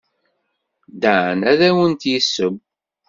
Dan ad awent-d-yesseww.